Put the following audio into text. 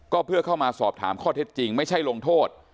ก็เพื่อเข้ามาสอบถามข้อเท็จจริงไม่ใช่ลงโทษ